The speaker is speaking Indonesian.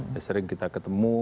saya sering kita ketemu